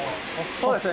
そうですね。